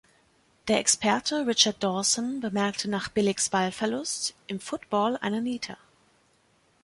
Der Experte Richard Dawson bemerkte nach Billicks Ballverlust: „Im Football eine Niete“.